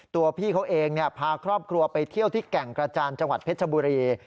ตัวพี่เขาเองพาครอบครัวไปเที่ยวที่แก่งกระจานจังหวัดเพชรบุรี